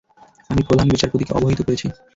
আমি প্রধান বিচারপতিকে অবহিত করছি।